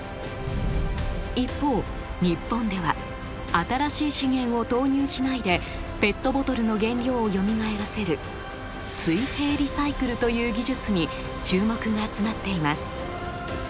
一方日本では新しい資源を投入しないでペットボトルの原料をよみがえらせる水平リサイクルという技術に注目が集まっています。